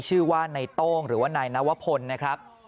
ชื่อว่านายโต้งหรือว่านายนวพพล